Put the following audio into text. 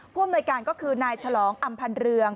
ผู้อำนวยการก็คือนายฉลองอำพันธ์เรือง